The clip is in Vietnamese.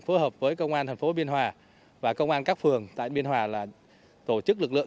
phối hợp với công an thành phố biên hòa và công an các phường tại biên hòa là tổ chức lực lượng